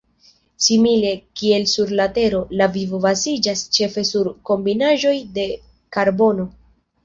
Simile kiel sur la Tero, la vivo baziĝas ĉefe sur kombinaĵoj de karbono.